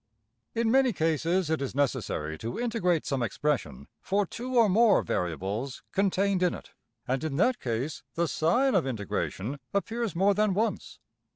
} In many cases it is necessary to integrate some expression for two or more variables contained in it; and in that case the sign of integration appears more than once.